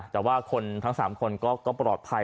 แต่ว่าคนทั้ง๓คนก็ปลอดภัย